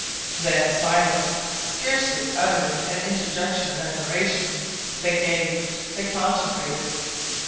Then silent, scarcely uttering an interjection of admiration, they gazed, they contemplated.